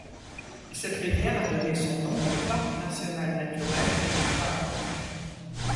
Cette rivière a donné son nom au parc national naturel El Tuparro.